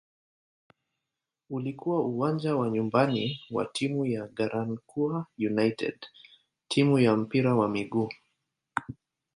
Ulikuwa uwanja wa nyumbani wa timu ya "Garankuwa United" timu ya mpira wa miguu.